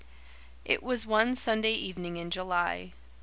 It was one Sunday evening in July.